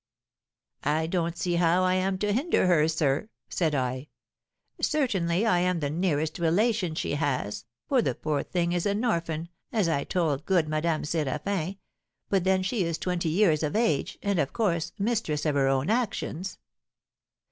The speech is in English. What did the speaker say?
'I don't see how I am to hinder her, sir,' said I. 'Certainly, I am the nearest relation she has, for the poor thing is an orphan, as I told good Madame Séraphin; but then she is twenty years of age, and, of course, mistress of her own actions.'